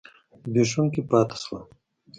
زبېښونکي پاتې شول.